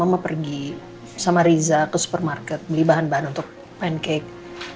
mama pergi sama riza ke supermarket beli bahan bahan untuk pancake